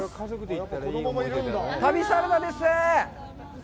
旅サラダです！